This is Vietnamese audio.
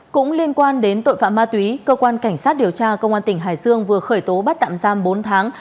cũng liên quan đến tội phạm ma túy cơ quan cảnh sát điều tra công an tỉnh hải dương vừa khởi tố bắt tạm giam bốn tháng